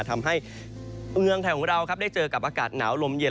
ทำให้เมืองไทยของเราได้เจอกับอากาศหนาวลมเย็น